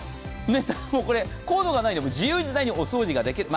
コードがないので自由自在にお掃除ができる。